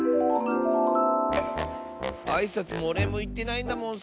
あいさつもおれいもいってないんだもん